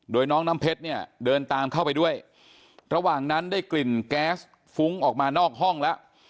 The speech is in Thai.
โดยน้องน้ำเพชรเนี่ยเดินตามเข้าไปด้วยระหว่างนั้นได้กลิ่นแก๊สฟุ้งออกมานอกห้องแล้ว